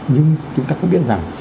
nhưng chúng ta có biết rằng